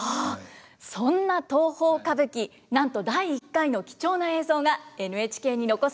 そんな東宝歌舞伎なんと第１回の貴重な映像がＮＨＫに残されています。